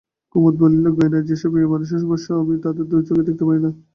কুমুদ বলিল, গয়না যেসব মেয়েমানুষের সর্বস্ব, আমি তাদের দুচোখে দেখতে পারি না।